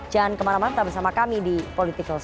jangan kemana mana tetap bersama kami di political sho